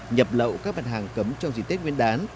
nhập lậu các bản hàng cấm trong diện tích nguyên đán